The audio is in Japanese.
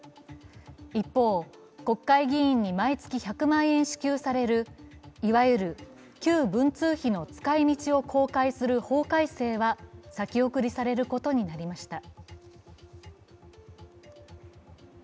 一方、国会議員に毎月１００万円支給されるいわゆる旧文通費の使い道を公開する法改正は先送りされることになりました。